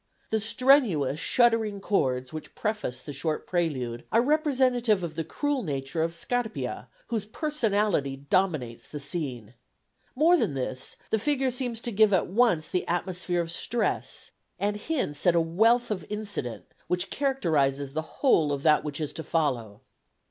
The strenuous, shuddering chords which preface the short prelude are representative of the cruel nature of Scarpia, whose personality dominates the scene more than this, the figure seems to give at once the atmosphere of stress, and hints at a wealth of incident which characterises the whole of that which is to follow.